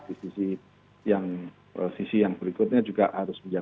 di sisi yang berikutnya juga harus berjaga